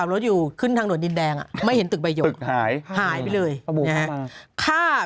ขับรถอยู่ขึ้นทางด่วนดินแดงไม่เห็นตึกใบหยก